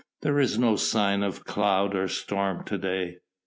There is no sign of cloud or storm to day.